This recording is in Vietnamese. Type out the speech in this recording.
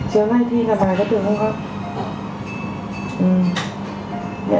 trước nay thi là bài có được không con